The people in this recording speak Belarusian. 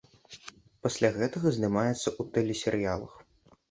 Пасля гэтага здымаецца ў тэлесерыялах.